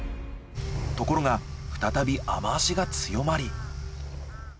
ところが再び雨脚が強まり。